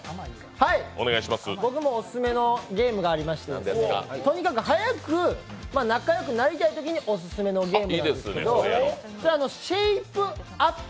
僕もオススメのゲームがありまして、とにかくはやく仲よくなりたいときにオススメのゲームなんですけどシェイプアップ！